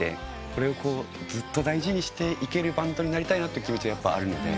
これをずっと大事にしていけるバンドになりたいなって気持ちはやっぱあるので。